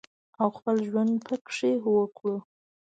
او خپل ژوند پکې وکړو